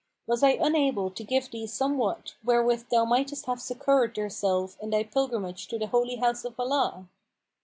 Was I unable to give thee somewhat wherewith thou mightest have succoured thyself in thy pilgrimage to the Holy House of Allah?"